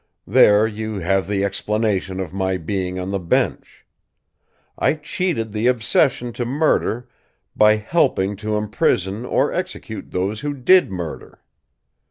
There you have the explanation of my being on the bench. I cheated the obsession to murder by helping to imprison or execute those who did murder!